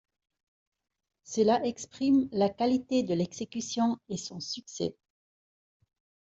Cela exprime la qualité de l'exécution et son succès.